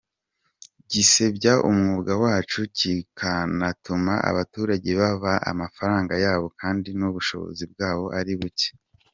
Gisebya umwuga wacu kikanatuma abaturage babaka amafaranga yabo kandi n’ubushobozi bwabo ari buke.